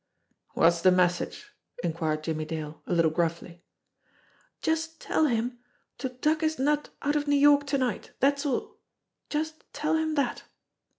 "What's the message?" inquired Jimmie Dale, a little gruffly. "Just tell him to duck his nut out of New York to night, dat's all. Just tell him dat."